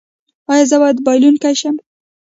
ایا زه باید بایلونکی شم؟